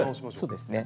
そうですね。